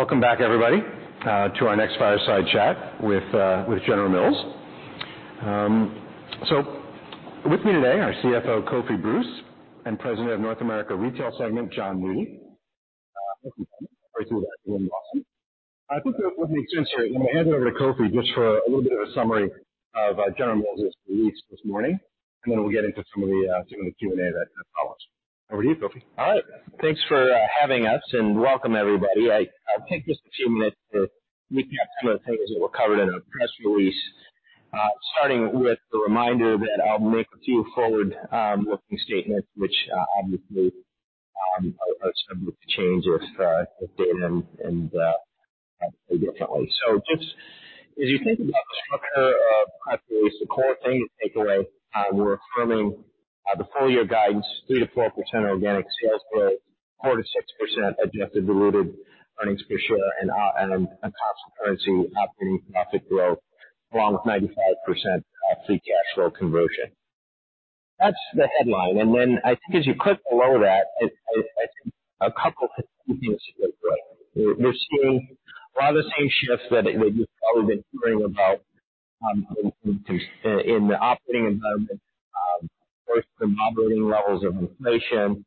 Welcome back, everybody, to our next fireside chat with General Mills. So with me today, our CFO, Kofi Bruce, and President of North America Retail segment, Jon Nudi. I think what makes sense here, let me hand it over to Kofi just for a little bit of a summary of General Mills' release this morning, and then we'll get into some of the Q&A that follows. Over to you, Kofi. All right. Thanks for having us, and welcome, everybody. I'll take just a few minutes to recap some of the things that were covered in our press release. Starting with the reminder that I'll make a few forward-looking statements, which obviously are subject to change as data and differently. So just as you think about the structure of press release, the core thing to take away, we're affirming the full year guidance, 3%-4% organic sales growth, 4%-6% adjusted diluted earnings per share, and a constant currency operating profit growth, along with 95% free cash flow conversion. That's the headline. And then I think as you click below that, a couple of things. We're seeing a lot of the same shifts that you've probably been hearing about in the operating environment. Both from operating levels of inflation,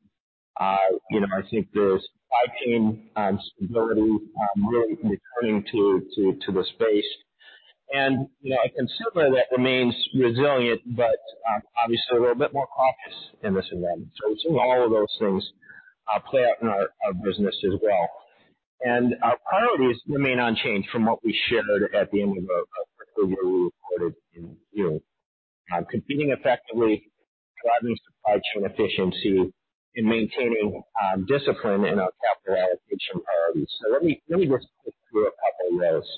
you know, I think there's supply chain stability really returning to the space. And you know, a consumer that remains resilient, but obviously a little bit more cautious in this environment. So we're seeing all of those things play out in our business as well. And our priorities remain unchanged from what we shared at the end of our third year we reported in June. Competing effectively, driving supply chain efficiency, and maintaining discipline in our capital allocation priorities. So let me just go through a couple of those.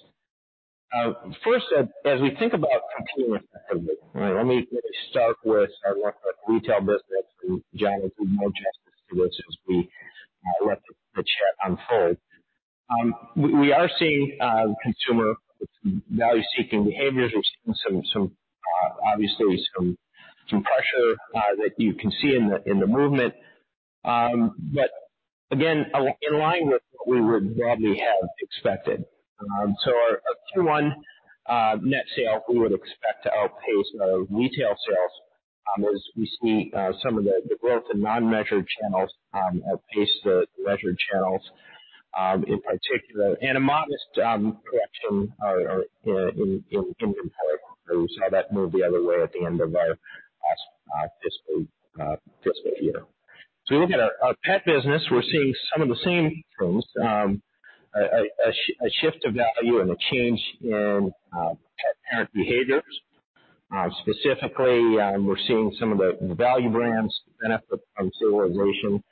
First, as we think about competing effectively, let me start with our North America Retail business, and Jon will do more justice to it as we let the chat unfold. We are seeing consumer value-seeking behaviors. We're seeing some, obviously some, pressure that you can see in the movement. But again, in line with what we would broadly have expected. So our Q1 net sales we would expect to outpace our retail sales as we see some of the growth in non-measured channels outpace the measured channels in particular. And a modest correction or improvement we saw that move the other way at the end of our last fiscal year. So we look at our pet business, we're seeing some of the same things. A shift of value and a change in pet parent behaviors. Specifically, we're seeing some of the value brands benefit from stabilization,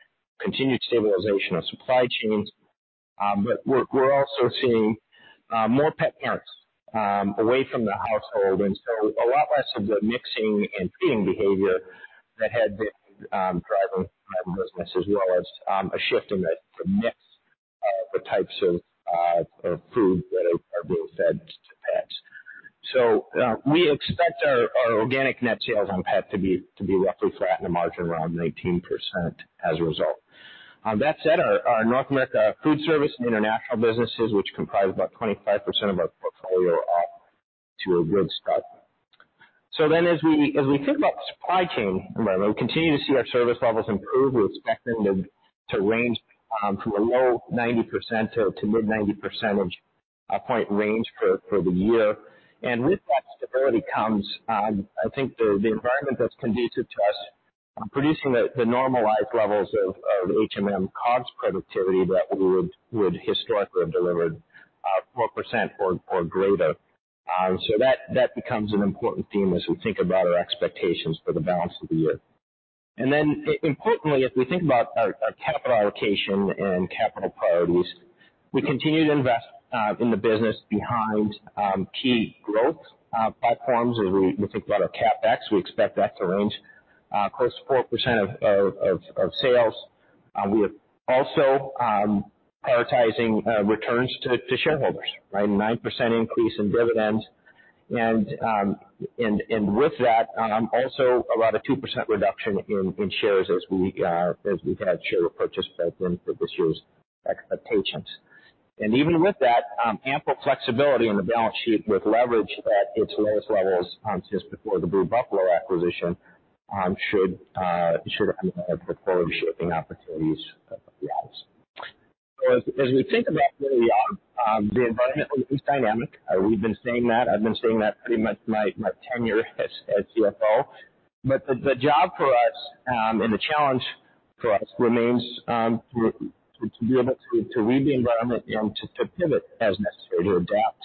continued stabilization of supply chains. But we're also seeing more pet parents away from the household, and so a lot less of the mixing and feeding behavior that had been driving our business as well as a shift in the mix of the types of food that are being fed to pets. So we expect our Organic Net Sales on pet to be roughly flat and a margin around 19% as a result. That said, our North America Foodservice and International businesses, which comprise about 25% of our portfolio, are off to a good start. So then, as we think about supply chain, we continue to see our service levels improve. We expect them to range from a low-90% to mid-90% point range for the year. And with that stability comes, I think, the environment that's conducive to us producing the normalized levels of HMM COGS productivity that we would historically have delivered, 4% or greater. So that becomes an important theme as we think about our expectations for the balance of the year. And then importantly, as we think about our capital allocation and capital priorities, we continue to invest in the business behind key growth platforms. As we think about our CapEx, we expect that to range close to 4% of sales. We are also prioritizing returns to shareholders, right? A 9% increase in dividends. And with that, also about a 2% reduction in shares as we've had share repurchase back in for this year's expectations. And even with that, ample flexibility on the balance sheet with leverage at its lowest levels since before the Blue Buffalo acquisition should enable preferred shaping opportunities going forward. So as we think about where we are, the environment is dynamic. We've been saying that. I've been saying that pretty much my tenure as CFO. But the job for us and the challenge for us remains to be able to read the environment and to pivot as necessary to adapt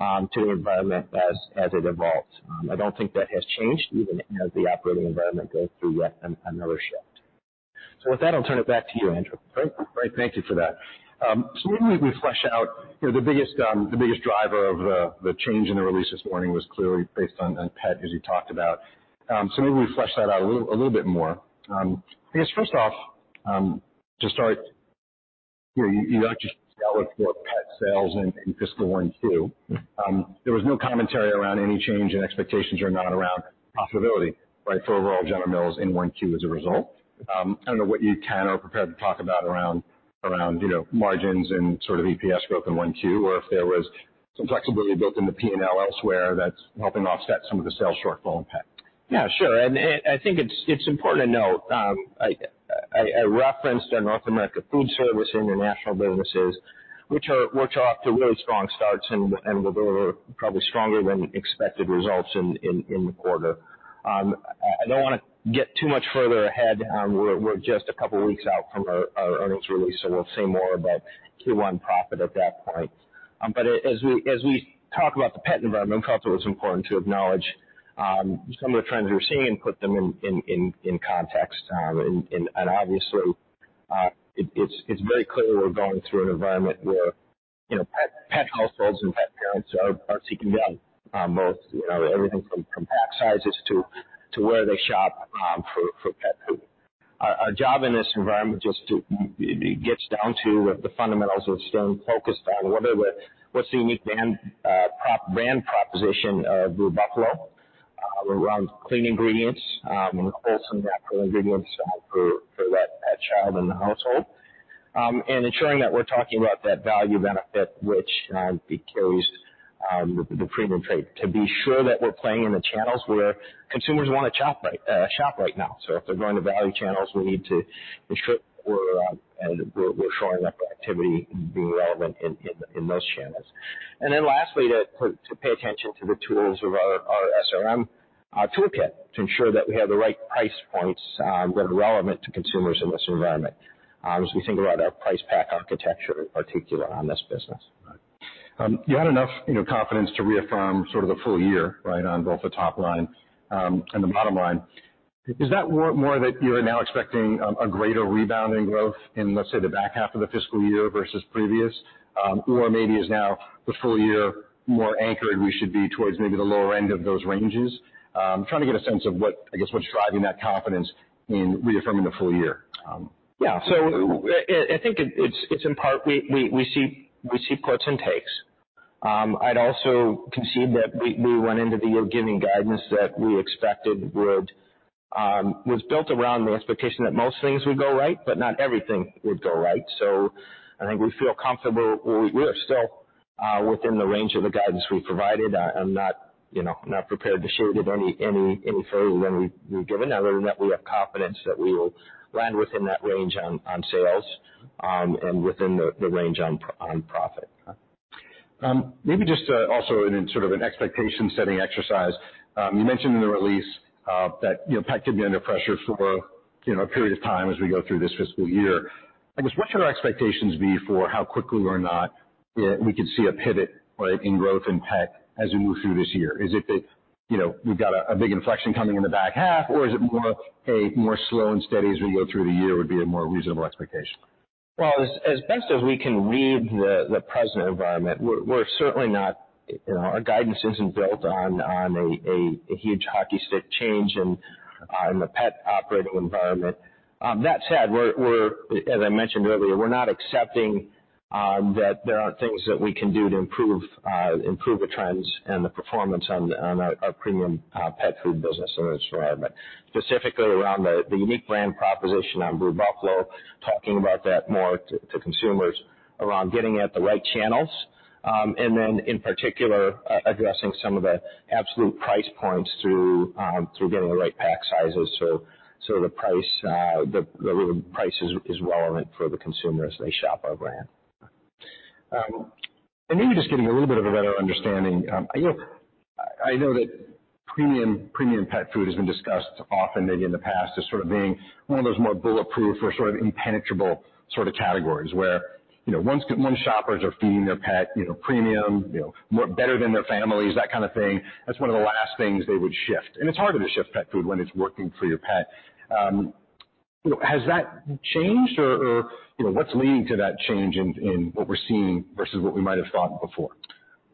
to the environment as it evolves. I don't think that has changed, even as the operating environment goes through yet another shift. So with that, I'll turn it back to you, Andrew. Great. Thank you for that. So let me refresh out. You know, the biggest driver of the change in the release this morning was clearly based on pet, as you talked about. So maybe refresh that out a little bit more. I guess first off, to start, you know, that was for pet sales in fiscal 1Q. There was no commentary around any change in expectations or not around profitability, right, for overall General Mills in 1Q as a result. I don't know what you can or prepared to talk about around, you know, margins and sort of EPS growth in 1Q, or if there was some flexibility built in the P&L elsewhere that's helping to offset some of the sales shortfall impact. Yeah, sure. And I think it's important to note, I referenced our North America Foodservice and International businesses, which are off to really strong starts and with a little probably stronger than expected results in the quarter. I don't wanna get too much further ahead. We're just a couple of weeks out from our earnings release, so we'll say more about Q1 profit at that point. But as we talk about the pet environment, I thought it was important to acknowledge some of the trends we're seeing and put them in context. Obviously, it's very clear we're going through an environment where, you know, pet households and pet parents are trading down on both, you know, everything from pack sizes to where they shop for pet food. Our job in this environment just to, it gets down to what the fundamentals we're staying focused on, whether it's the unique brand proposition of Blue Buffalo around clean ingredients and wholesome natural ingredients for that fur child in the household. And ensuring that we're talking about that value benefit, which carries the premium trade, to be sure that we're playing in the channels where consumers wanna shop right now. So if they're going to value channels, we need to ensure we're showing up for activity and being relevant in those channels. And then lastly, to pay attention to the tools of our SRM toolkit, to ensure that we have the right price points that are relevant to consumers in this environment, as we think about our Price Pack Architecture, in particular on this business. You had enough, you know, confidence to reaffirm sort of the full year, right, on both the top line and the bottom line. Is that more that you are now expecting a greater rebounding growth in, let's say, the back half of the fiscal year versus previous? Or maybe is now the full year more anchored, we should be towards maybe the lower end of those ranges? I'm trying to get a sense of what, I guess, what's driving that confidence in reaffirming the full year? Yeah. So I think it's in part we see quotes and takes. I'd also concede that we run into the year giving guidance that we expected would was built around the expectation that most things would go right, but not everything would go right. So I think we feel comfortable. We are still within the range of the guidance we provided. I'm not, you know, not prepared to shade it any further than we've given. Other than that, we have confidence that we will land within that range on sales, and within the range on profit. Maybe just to also in sort of an expectation-setting exercise. You mentioned in the release that, you know, pet could be under pressure for, you know, a period of time as we go through this fiscal year. I guess, what should our expectations be for how quickly or not we could see a pivot, right, in growth in pet as we move through this year? Is it that, you know, we've got a big inflection coming in the back half, or is it more a more slow and steady as we go through the year would be a more reasonable expectation? Well, as best as we can read the present environment, we're certainly not... You know, our guidance isn't built on a huge hockey stick change in the pet operating environment. That said, we're, as I mentioned earlier, we're not accepting that there aren't things that we can do to improve the trends and the performance on our premium pet food business in this environment. Specifically around the unique brand proposition on Blue Buffalo, talking about that more to consumers around getting at the right channels, and then in particular, addressing some of the absolute price points through getting the right pack sizes. So the price is relevant for the consumer as they shop our brand. And maybe just getting a little bit of a better understanding. I know, I know that premium, premium pet food has been discussed often, maybe in the past, as sort of being one of those more bulletproof or sort of impenetrable sort of categories where, you know, once, once shoppers are feeding their pet, you know, premium, you know, more better than their families, that kind of thing, that's one of the last things they would shift. And it's harder to shift pet food when it's working for your pet. You know, has that changed or, or, you know, what's leading to that change in, in what we're seeing versus what we might have thought before?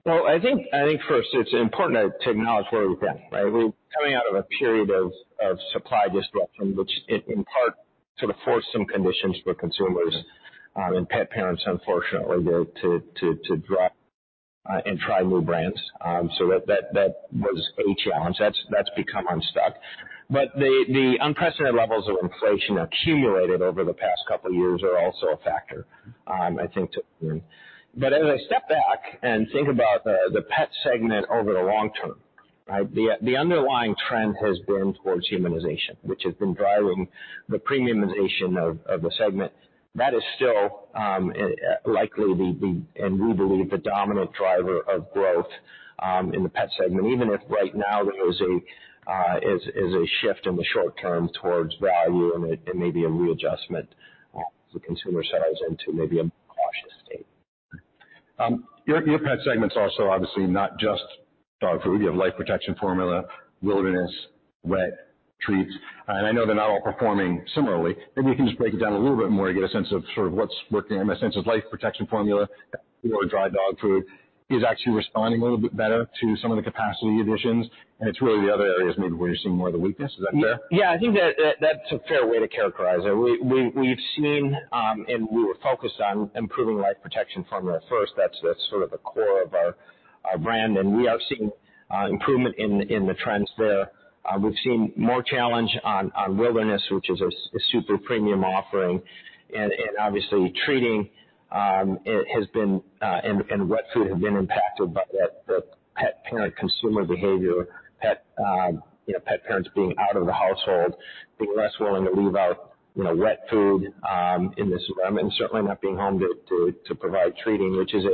Well, I think, I think first, it's important to, to acknowledge where we've been, right? We're coming out of a period of, of supply disruption, which in, in part sort of forced some conditions for consumers, and pet parents, unfortunately, were to drop, and try new brands. So that was a challenge. That's become unstuck. But the unprecedented levels of inflation accumulated over the past couple of years are also a factor, I think to... But as I step back and think about the pet segment over the long term, right, the underlying trend has been towards humanization, which has been driving the premiumization of the segment. That is still likely the—and we believe, the dominant driver of growth in the pet segment, even if right now there is a shift in the short term towards value and maybe a readjustment as the consumer settles into maybe a cautious state. Your pet segment is also obviously not just dog food. You have Life Protection Formula, Wilderness, Wet, Treats, and I know they're not all performing similarly. Maybe you can just break it down a little bit more to get a sense of sort of what's working. I have a sense of Life Protection Formula or dry dog food is actually responding a little bit better to some of the capacity additions, and it's really the other areas maybe where you're seeing more of the weakness. Is that fair? Yeah, I think that's a fair way to characterize it. We've seen and we were focused on improving Life Protection Formula first. That's sort of the core of our brand, and we have seen improvement in the trends there. We've seen more challenge on Wilderness, which is a super premium offering, and obviously treating it has been and wet food have been impacted by the pet parent consumer behavior, pet you know pet parents being out of the household, being less willing to leave out you know wet food in this and certainly not being home to provide treating, which is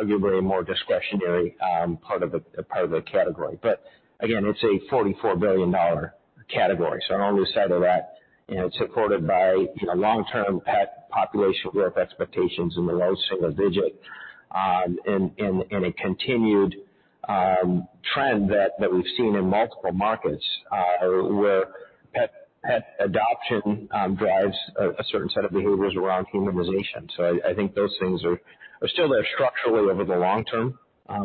arguably more discretionary part of the category. But again, it's a $44 billion category, so on the side of that, you know, it's supported by, you know, long-term pet population growth expectations in the low single digit, and a continued trend that we've seen in multiple markets, where pet adoption drives a certain set of behaviors around humanization. So I think those things are still there structurally over the long term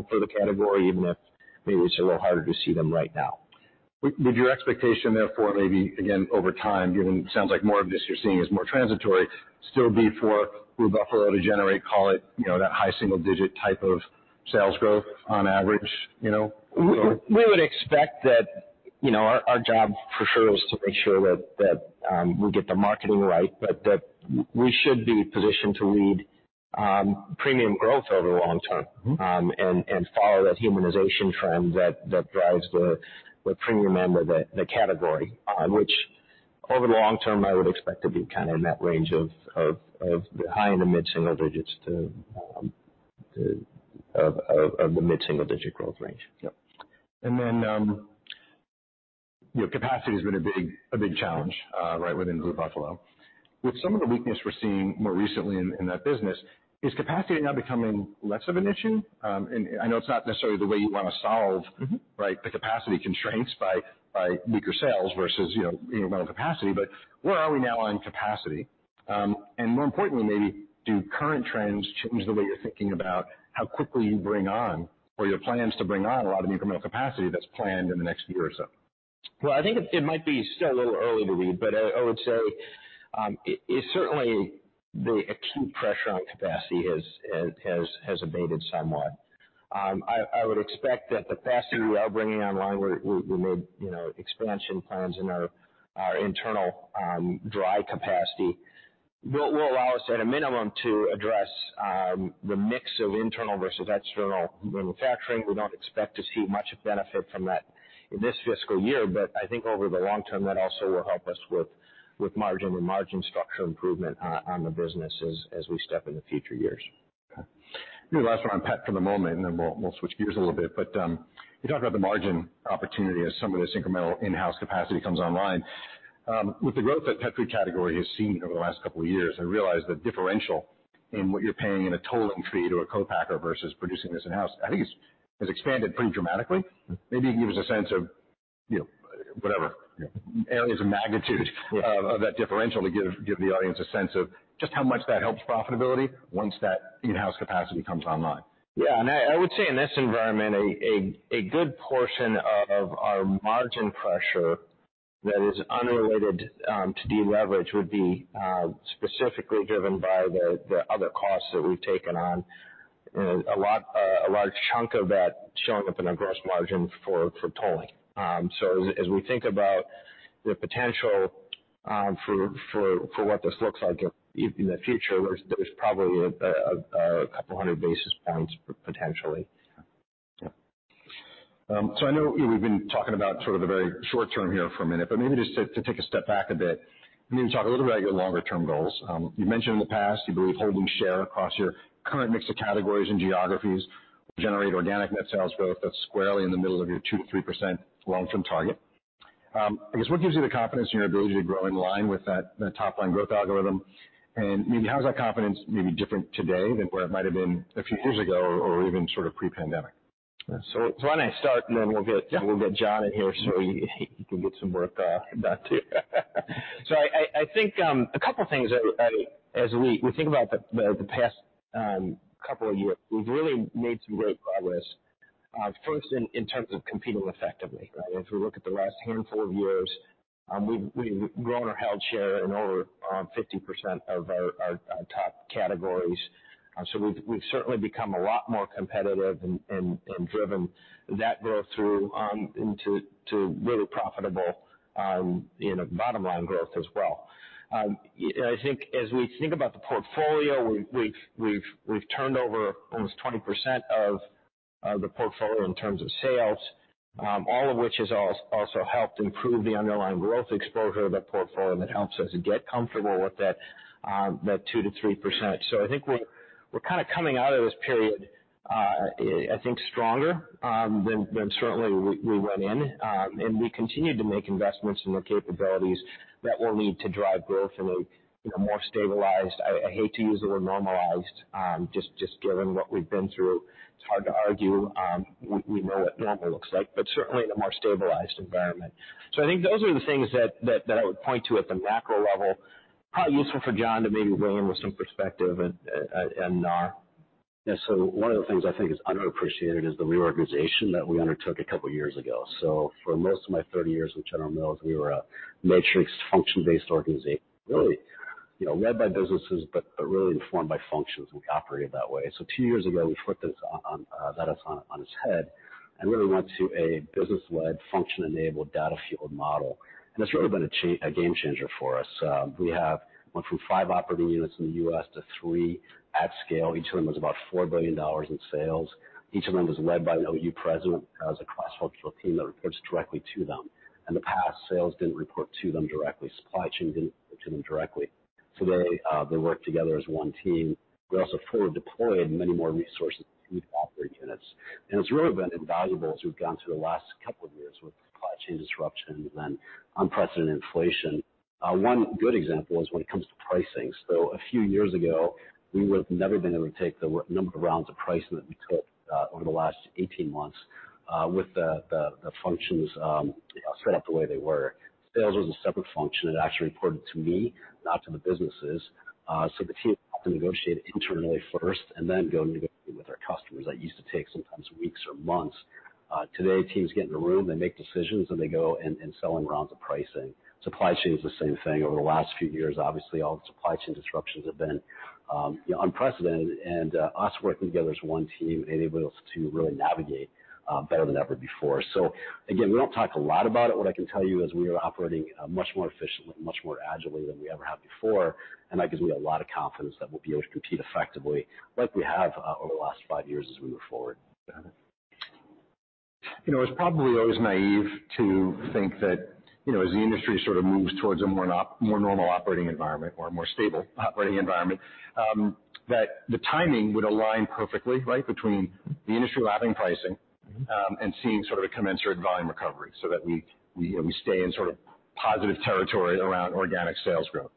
for the category, even if maybe it's a little harder to see them right now. Would your expectation therefore, maybe again, over time, given it sounds like more of this you're seeing is more transitory, still be for Blue Buffalo to generate, call it, you know, that high single digit type of sales growth on average, you know? We would expect that, you know, our job for sure is to make sure that we get the marketing right, but that we should be positioned to lead premium growth over the long term. Mm-hmm. And follow that humanization trend that drives the premium end of the category, which over the long term, I would expect to be kind of in that range of high in the mid-single digits to the mid-single digit growth range. Yep. And then, your capacity has been a big, a big challenge, right, within Blue Buffalo. With some of the weakness we're seeing more recently in that business, is capacity now becoming less of an issue? And I know it's not necessarily the way you wanna solve- Mm-hmm. Right, the capacity constraints by weaker sales versus, you know, more capacity, but where are we now on capacity? And more importantly, maybe, do current trends change the way you're thinking about how quickly you bring on or your plans to bring on a lot of incremental capacity that's planned in the next year or so? Well, I think it might be still a little early to read, but I would say, it certainly the acute pressure on capacity has abated somewhat. I would expect that the capacity we are bringing online, we made, you know, expansion plans in our internal dry capacity, will allow us, at a minimum, to address the mix of internal versus external manufacturing. We don't expect to see much benefit from that in this fiscal year, but I think over the long term, that also will help us with margin and margin structural improvement on the business as we step into future years. Okay. Maybe last one on pet for the moment, and then we'll switch gears a little bit. But you talked about the margin opportunity as some of this incremental in-house capacity comes online. With the growth that pet food category has seen over the last couple of years, I realize the differential in what you're paying in a tolling fee to a co-packer versus producing this in-house, I think it's has expanded pretty dramatically. Mm-hmm. Maybe you can give us a sense of, you know, whatever, areas of magnitude of that differential to give the audience a sense of just how much that helps profitability once that in-house capacity comes online. Yeah, and I would say in this environment, a good portion of our margin pressure that is unrelated to deleverage would be specifically driven by the other costs that we've taken on. A lot, a large chunk of that showing up in our gross margin for tolling. So as we think about the potential for what this looks like in the future, there's probably a couple hundred basis points potentially. Yeah. So I know we've been talking about sort of the very short term here for a minute, but maybe just to take a step back a bit, maybe talk a little bit about your longer term goals. You mentioned in the past you believe holding share across your current mix of categories and geographies generate organic net sales growth that's squarely in the middle of your 2%-3% long-term target. I guess, what gives you the confidence in your ability to grow in line with that, the top line growth algorithm? And maybe how is that confidence maybe different today than where it might have been a few years ago or even sort of pre-pandemic? So why don't I start, and then we'll get- Yeah. We'll get Jon in here, so he can get some work done, too. So I think a couple things as we think about the past couple of years, we've really made some great progress. First in terms of competing effectively, right? If we look at the last handful of years, we've grown or held share in over 50% of our top categories. So we've certainly become a lot more competitive and driven that growth through into to really profitable, you know, bottom line growth as well. I think as we think about the portfolio, we've turned over almost 20% of the portfolio in terms of sales, all of which has also helped improve the underlying growth exposure of the portfolio. That helps us get comfortable with that 2%-3%. So I think we're kind of coming out of this period, I think, stronger than certainly we went in. And we continued to make investments in the capabilities that we'll need to drive growth in a, you know, more stabilized... I hate to use the word normalized, just given what we've been through, it's hard to argue. We know what normal looks like, but certainly in a more stabilized environment. So I think those are the things that I would point to at the macro level. Probably useful for Jon to maybe weigh in with some perspective and, and, Yeah. So one of the things I think is underappreciated is the reorganization that we undertook a couple years ago. So for most of my 30 years with General Mills, we were a matrix function-based organization, really... you know, led by businesses, but, but really informed by functions, and we operated that way. So two years ago, we flipped this on, that on, on its head and really went to a business-led, function-enabled, data-fueled model. And it's really been a game changer for us. We have went from five operating units in the U.S. to three at scale. Each of them was about $4 billion in sales. Each of them was led by an OU president, has a cross-functional team that reports directly to them. In the past, sales didn't report to them directly, supply chain didn't report to them directly. So they work together as one team. We also forward deployed many more resources to each Operating Units, and it's really been invaluable as we've gone through the last couple of years with supply chain disruption and unprecedented inflation. One good example is when it comes to pricing. So a few years ago, we would have never been able to take the number of rounds of pricing that we took over the last 18 months with the functions set up the way they were. Sales was a separate function that actually reported to me, not to the businesses. So the team had to negotiate internally first and then go negotiate with our customers. That used to take sometimes weeks or months. Today, teams get in a room, they make decisions, and they go and, and sell in rounds of pricing. Supply chain is the same thing. Over the last few years, obviously, all the supply chain disruptions have been, you know, unprecedented, and us working together as one team enabled us to really navigate better than ever before. So again, we don't talk a lot about it. What I can tell you is we are operating much more efficiently and much more agilely than we ever have before, and that gives me a lot of confidence that we'll be able to compete effectively like we have over the last five years as we move forward. Go ahead. You know, it's probably always naive to think that, you know, as the industry sort of moves towards a more normal operating environment or a more stable operating environment, that the timing would align perfectly, right, between the industry lapping pricing. Mm-hmm. and seeing sort of a commensurate volume recovery so that we stay in sort of positive territory around organic sales growth.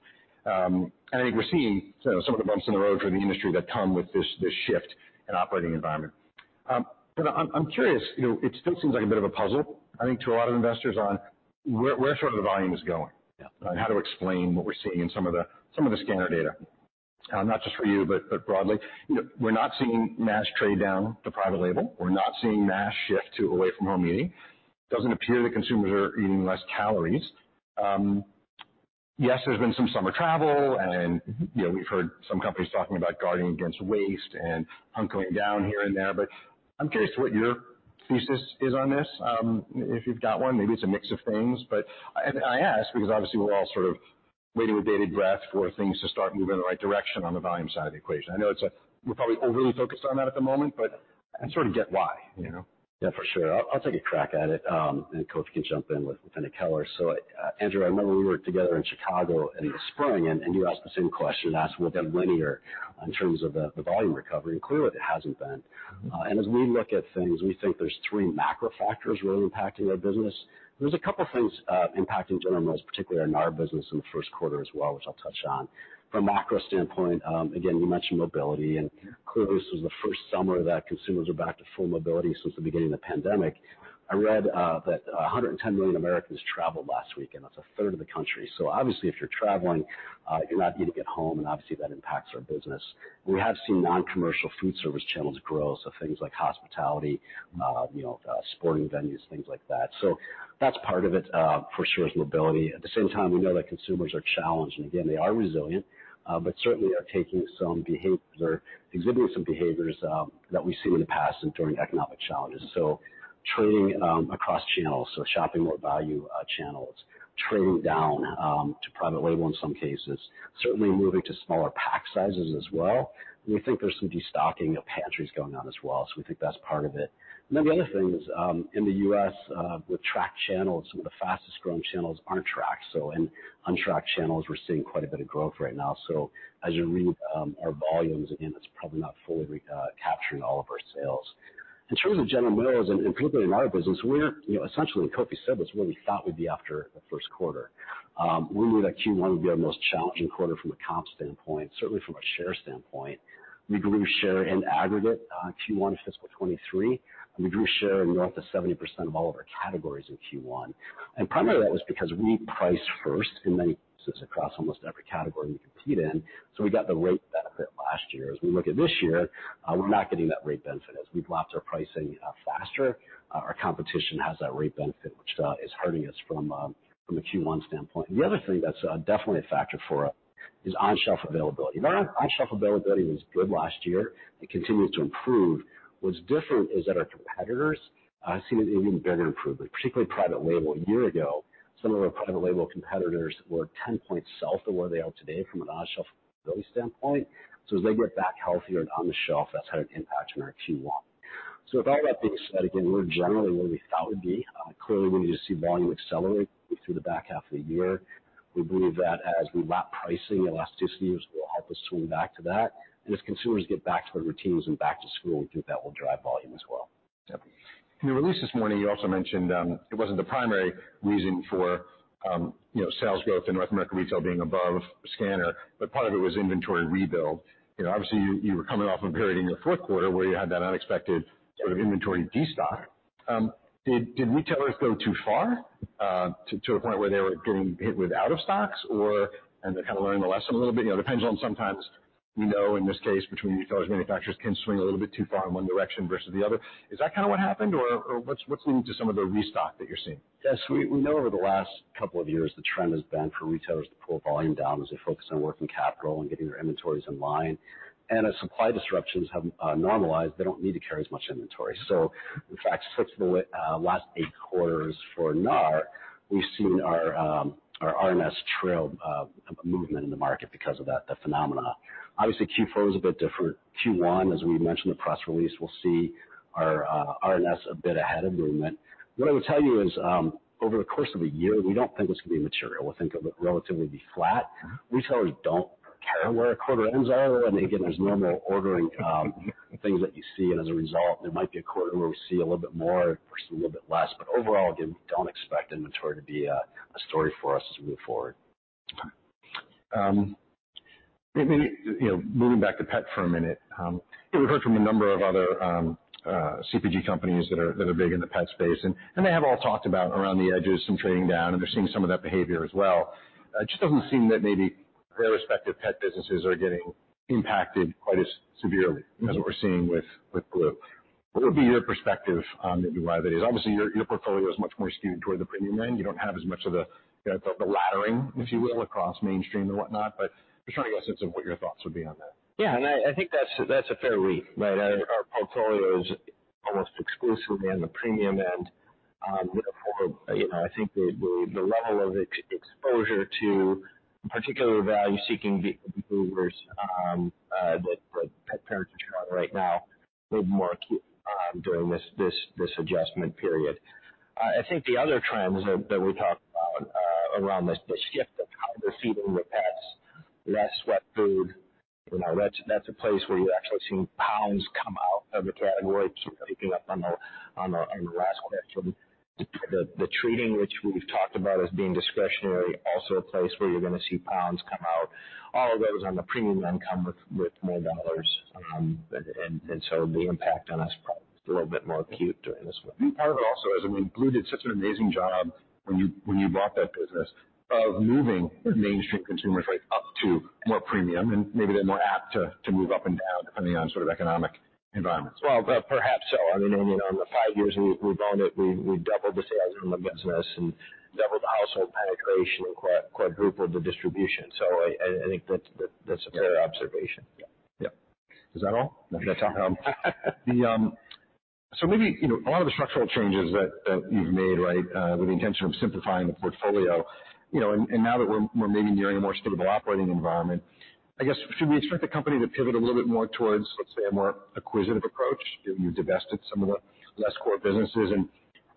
I think we're seeing, you know, some of the bumps in the road for the industry that come with this shift in operating environment. But I'm curious, you know, it still seems like a bit of a puzzle, I think, to a lot of investors on where sort of the volume is going- Yeah. -and how to explain what we're seeing in some of the, some of the scanner data. Not just for you, but, but broadly. You know, we're not seeing mass trade down to private label. We're not seeing mass shift to away from home eating. Doesn't appear that consumers are eating less calories. Yes, there's been some summer travel, and, you know, we've heard some companies talking about guarding against waste and hunkering down here and there, but I'm curious to what your thesis is on this, if you've got one, maybe it's a mix of things. But I, I ask because, obviously, we're all sort of waiting with bated breath for things to start moving in the right direction on the volume side of the equation. I know it's a-- we're probably overly focused on that at the moment, but I sort of get why, you know? Yeah, for sure. I'll take a crack at it, and Kofi can jump in later. So, Andrew, I remember we were together in Chicago in the spring, and you asked the same question whether linear in terms of the volume recovery, and clearly it hasn't been. And as we look at things, we think there's three macro factors really impacting our business. There's a couple things impacting General Mills, particularly in our business in the first quarter as well, which I'll touch on. From a macro standpoint, again, you mentioned mobility, and clearly, this was the first summer that consumers are back to full mobility since the beginning of the pandemic. I read that 110 million Americans traveled last weekend. That's a third of the country. So obviously, if you're traveling, you're not eating at home, and obviously, that impacts our business. We have seen non-commercial food service channels grow, so things like hospitality, you know, sporting venues, things like that. So that's part of it, for sure, is mobility. At the same time, we know that consumers are challenged, and again, they are resilient, but certainly are taking some behaviors or exhibiting some behaviors, that we've seen in the past and during economic challenges. So trading, across channels, so shopping more value, channels, trading down, to private label in some cases, certainly moving to smaller pack sizes as well. We think there's some destocking of pantries going on as well, so we think that's part of it. Then the other thing is, in the U.S., with tracked channels, some of the fastest growing channels aren't tracked, so in untracked channels, we're seeing quite a bit of growth right now. So as you read, our volumes, again, it's probably not fully capturing all of our sales. In terms of General Mills and, and particularly in our business, we're, you know, essentially, what Kofi said was where we thought we'd be after the first quarter. We knew that Q1 would be our most challenging quarter from a comp standpoint, certainly from a share standpoint. We grew share in aggregate, Q1 of fiscal 2023. We grew share in north of 70% of all of our categories in Q1, and primarily that was because we price first in many cases across almost every category we compete in, so we got the rate benefit last year. As we look at this year, we're not getting that rate benefit. As we've lapped our pricing, faster, our competition has that rate benefit, which is hurting us from, from a Q1 standpoint. The other thing that's definitely a factor for us is on-shelf availability. Now, on-shelf availability was good last year. It continues to improve. What's different is that our competitors have seen an even better improvement, particularly private label. A year ago, some of our private label competitors were 10 points south of where they are today from an on-shelf availability standpoint. So as they get back healthier and on the shelf, that's had an impact on our Q1. So if I had to be specific, again, we're generally where we thought we'd be. Clearly, we need to see volume accelerate through the back half of the year. We believe that as we lap pricing, elasticity will help us swing back to that, and as consumers get back to their routines and back to school, we think that will drive volume as well. Yep. In the release this morning, you also mentioned, it wasn't the primary reason for, you know, sales growth in North America Retail being above scanner, but part of it was inventory rebuild. You know, obviously, you were coming off a period in your fourth quarter where you had that unexpected sort of inventory destock. Did retailers go too far, to a point where they were getting hit with out of stocks or-- and they're kind of learning the lesson a little bit? You know, depends on sometimes-... We know in this case, between retailers and manufacturers, can swing a little bit too far in one direction versus the other. Is that kind of what happened, or what's leading to some of the restock that you're seeing? Yes, we know over the last couple of years, the trend has been for retailers to pull volume down as they focus on working capital and getting their inventories in line. And as supply disruptions have normalized, they don't need to carry as much inventory. So in fact, just the last eight quarters for NAR, we've seen our RNS trail movement in the market because of that, the phenomena. Obviously, Q4 is a bit different. Q1, as we mentioned in the press release, we'll see our RNS a bit ahead of movement. What I would tell you is, over the course of a year, we don't think this will be material. We think it will relatively be flat. Retailers don't care where a quarter ends are, and again, there's normal ordering, things that you see, and as a result, there might be a quarter where we see a little bit more versus a little bit less. But overall, again, don't expect inventory to be a story for us as we move forward. Maybe, you know, moving back to pet for a minute. We've heard from a number of other CPG companies that are, that are big in the pet space, and they have all talked about around the edges, some trading down, and they're seeing some of that behavior as well. It just doesn't seem that maybe their respective pet businesses are getting impacted quite as severely as what we're seeing with Blue. What would be your perspective on that divide? Obviously, your portfolio is much more skewed toward the premium end. You don't have as much of the, you know, the laddering, if you will, across mainstream and whatnot, but just trying to get a sense of what your thoughts would be on that. Yeah, and I think that's a fair read, right? Our portfolio is almost exclusively on the premium end. Therefore, you know, I think the level of exposure to particular value-seeking behaviors that pet parents are trying right now is more acute during this adjustment period. I think the other trends that we talked about around the shift of how we're feeding the pets, less wet food. You know, that's a place where you're actually seeing pounds come out of the category, keeping up on the last clip. So the treating, which we've talked about as being discretionary, also a place where you're going to see pounds come out. All of those on the premium end come with more dollars. So the impact on us is a little bit more acute during this one. Part of it also is, I mean, Blue did such an amazing job when you, when you bought that business, of moving mainstream consumers right up to more premium and maybe they're more apt to, to move up and down, depending on sort of economic environments. Well, perhaps so. I mean, on the five years we've owned it, we've doubled the sales in the business and doubled the household penetration and quadrupled the distribution. So I think that's a fair observation. Yeah. Is that all? So maybe, you know, a lot of the structural changes that you've made, right, with the intention of simplifying the portfolio, you know, and now that we're maybe nearing a more stable operating environment, I guess, should we expect the company to pivot a little bit more towards, let's say, a more acquisitive approach? You've divested some of the less core businesses, and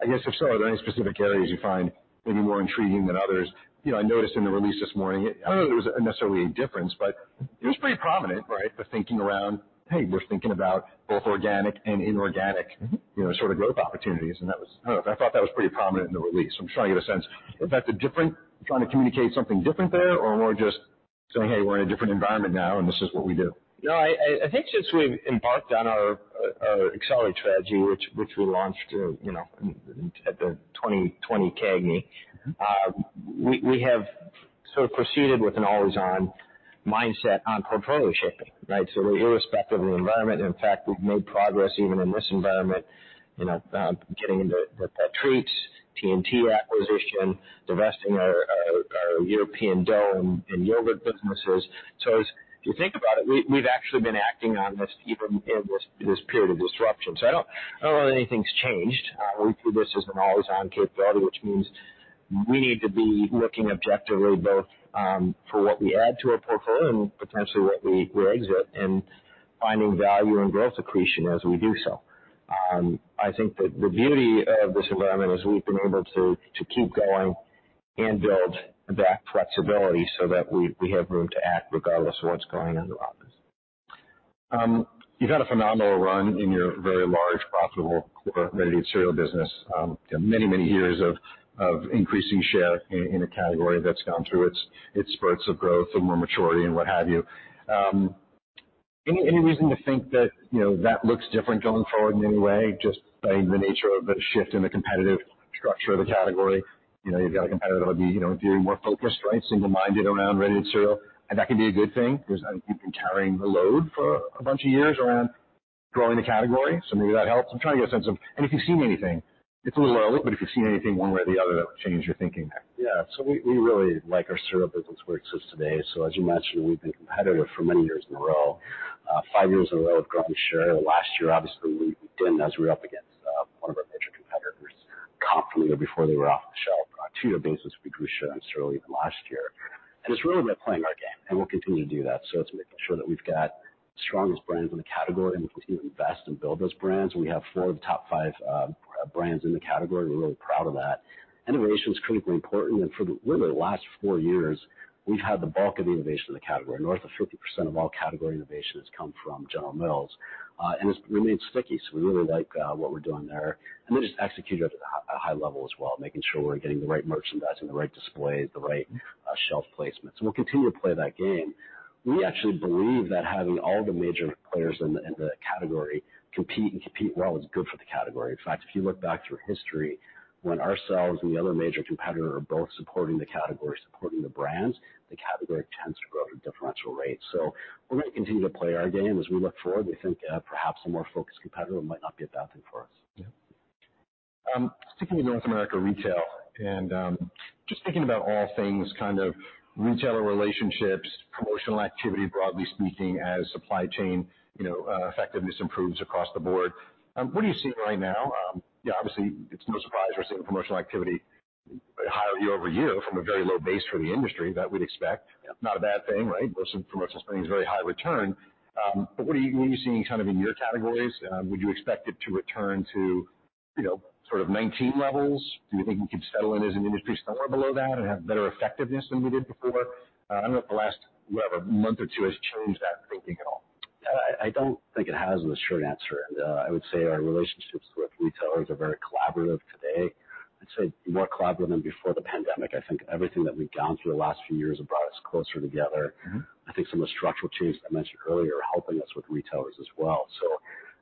I guess, if so, are there any specific areas you find maybe more intriguing than others? You know, I noticed in the release this morning, I don't know if there was necessarily a difference, but it was pretty prominent, right? The thinking around, "Hey, we're thinking about both organic and inorganic- Mm-hmm. You know, sort of growth opportunities." And that was, I don't know, I thought that was pretty prominent in the release. I'm just trying to get a sense if that's a different, trying to communicate something different there, or more just saying, "Hey, we're in a different environment now, and this is what we do. No, I think since we've embarked on our Accelerate strategy, which we launched, you know, at the 2020 CAGNY, we have sort of proceeded with an always-on mindset on portfolio shaping, right? So irrespective of the environment, and in fact, we've made progress even in this environment, you know, getting into the treats, TNT acquisition, divesting our European dough and yogurt businesses. So as you think about it, we've actually been acting on this even in this period of disruption. So I don't know anything's changed. We view this as an always-on capability, which means we need to be looking objectively both for what we add to our portfolio and potentially what we exit and finding value and growth accretion as we do so. I think that the beauty of this environment is we've been able to keep going and build that flexibility so that we have room to act regardless of what's going on around us. You've had a phenomenal run in your very large, profitable, ready-to-eat cereal business. Many years of increasing share in a category that's gone through its spurts of growth and more maturity and what have you. Any reason to think that, you know, that looks different going forward in any way, just by the nature of the shift in the competitive structure of the category? You know, you've got a competitor that would be, you know, more focused, right, single-minded around ready-to-eat cereal. And that can be a good thing because I think you've been carrying the load for a bunch of years around growing the category, so maybe that helps. I'm trying to get a sense of... And if you've seen anything, it's a little early, but if you've seen anything one way or the other, that changed your thinking. Yeah. So we really like our cereal business where it exists today. So as you mentioned, we've been competitive for many years in a row. Five years in a row of growing share. Last year, obviously, we didn't, as we were up against one of our major competitors, competing heavily before they were off the shelf. On a two-year basis, we grew share in cereal even last year. And it's really about playing our game, and we'll continue to do that. So it's making sure that we've got the strongest brands in the category, and we continue to invest and build those brands. We have four of the top five brands in the category. We're really proud of that. Innovation is critically important, and for really the last four years, we've had the bulk of the innovation in the category. North of 50% of all category innovation has come from General Mills. And it's remained sticky, so we really like what we're doing there. And we just execute at a high level as well, making sure we're getting the right merchandising, the right displays, the right shelf placement. So we'll continue to play that game. We actually believe that having all the major players in the category compete and compete well is good for the category. In fact, if you look back through history, when ourselves and the other major competitor are both supporting the category, supporting the brands, the category tends to grow at a differential rate. So we're going to continue to play our game. As we look forward, we think perhaps a more focused competitor might not be a bad thing for us.... Sticking with North America retail and, just thinking about all things kind of retailer relationships, promotional activity, broadly speaking, as supply chain, you know, effectiveness improves across the board. What are you seeing right now? Yeah, obviously, it's no surprise we're seeing promotional activity higher year-over-year from a very low base for the industry that we'd expect. Not a bad thing, right? Most promotional spending is very high return. But what are you, what are you seeing kind of in your categories? Would you expect it to return to, you know, sort of nineteen levels? Do you think we could settle in as an industry somewhere below that and have better effectiveness than we did before? I don't know if the last, whatever, month or two has changed that thinking at all. I don't think it has, is the short answer. I would say our relationships with retailers are very collaborative today. I'd say more collaborative than before the pandemic. I think everything that we've gone through the last few years has brought us closer together. Mm-hmm. I think some of the structural changes I mentioned earlier are helping us with retailers as well. So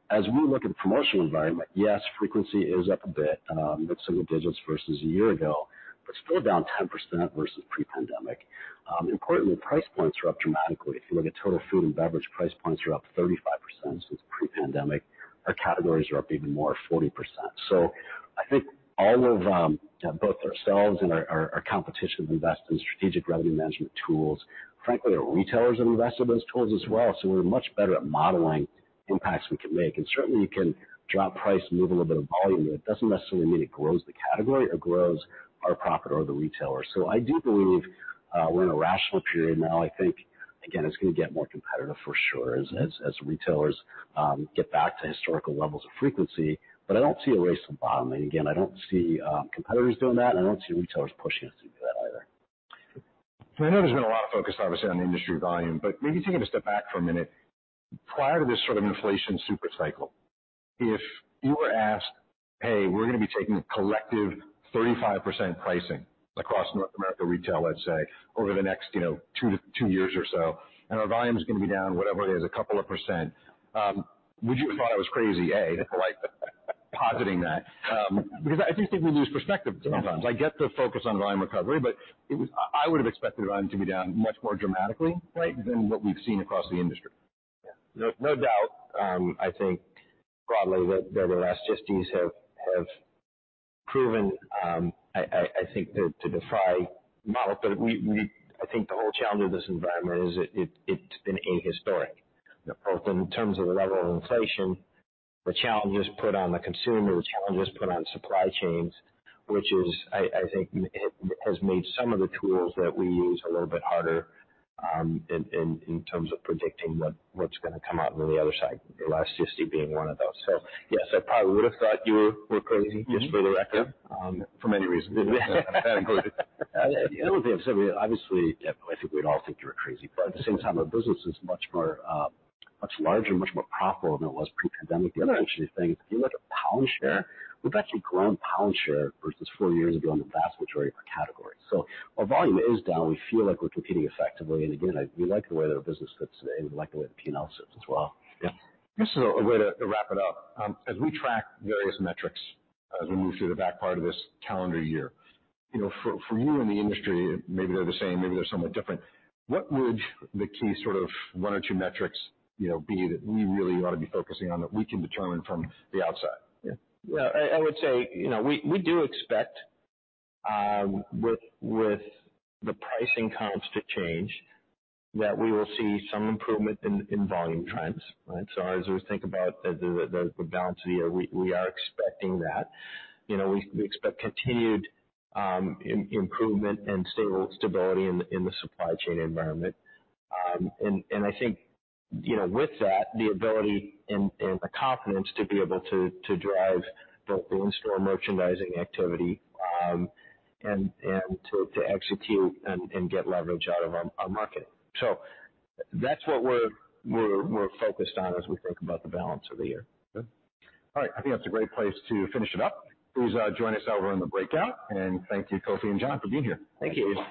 as we look at the promotional environment, yes, frequency is up a bit, with some of the digits versus a year ago, but still down 10% versus pre-pandemic. Importantly, price points are up dramatically. If you look at total food and beverage, price points are up 35% since pre-pandemic. Our categories are up even more, 40%. So I think all of both ourselves and our competition have invested in strategic revenue management tools. Frankly, our retailers have invested in those tools as well, so we're much better at modeling impacts we can make. And certainly, we can drop price and move a little bit of volume, but it doesn't necessarily mean it grows the category or grows our profit or the retailer. So I do believe we're in a rational period now. I think, again, it's gonna get more competitive for sure, as retailers get back to historical levels of frequency. But I don't see a race to the bottom. And again, I don't see competitors doing that, and I don't see retailers pushing us to do that either. I know there's been a lot of focus, obviously, on industry volume, but maybe taking a step back for a minute. Prior to this sort of inflation super cycle, if you were asked, "Hey, we're gonna be taking a collective 35% pricing across North America Retail," let's say, "over the next, you know, two to two years or so, and our volume is gonna be down," whatever it is, "a couple of percent." Would you have thought I was crazy, A, like, positing that? Because I just think we lose perspective sometimes. I get the focus on volume recovery, but it was... I would have expected volume to be down much more dramatically, right, than what we've seen across the industry. No, no doubt. I think broadly that the last GSDs have proven, I think, to defy model. But we—I think the whole challenge of this environment is it's been ahistoric, both in terms of the level of inflation, the challenges put on the consumer, the challenges put on supply chains, which is, I think, it has made some of the tools that we use a little bit harder, in terms of predicting what's gonna come out on the other side, the last GSD being one of those. So yes, I probably would have thought you were crazy, just for the record. Yeah. Um- For many reasons. The other thing I'd say, obviously, I think we'd all think you were crazy, but at the same time, our business is much more much larger and much more profitable than it was pre-pandemic. The other interesting thing, if you look at pound share, we've actually grown pound share versus four years ago in the vast majority of our categories. So our volume is down. We feel like we're competing effectively, and again, I, we like the way that our business sits today, and we like the way the P&L sits as well. Yeah. Just a way to wrap it up. As we track various metrics, as we move through the back part of this calendar year, you know, for you and the industry, maybe they're the same, maybe they're somewhat different, what would the key sort of one or two metrics, you know, be that we really ought to be focusing on, that we can determine from the outside? Yeah. Well, I would say, you know, we do expect, with the pricing comps to change, that we will see some improvement in volume trends, right? So as we think about the balance of the year, we are expecting that. You know, we expect continued improvement and stability in the supply chain environment. And I think, you know, with that, the ability and the confidence to be able to drive both the in-store merchandising activity, and to execute and get leverage out of our marketing. So that's what we're focused on as we think about the balance of the year. Good. All right. I think that's a great place to finish it up. Please, join us out. We're in the breakout, and thank you, Kofi and Jon, for being here. Thank you.